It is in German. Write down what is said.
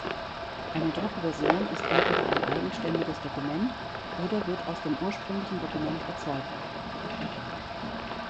Eine Druckversion ist entweder ein eigenständiges Dokument oder wird aus dem ursprünglichen Dokument erzeugt.